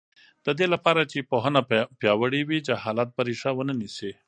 د دې لپاره چې پوهنه پیاوړې وي، جهالت به ریښه ونه نیسي.